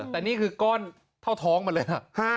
แต่นี่คือก้อนเท่าท้องมาเลยนะ